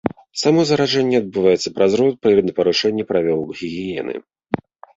Само заражэнне адбываецца праз рот пры парушэнні правілаў гігіены.